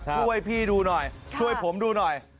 ช่วยพี่ดูหน่อยช่วยผมดูหน่อย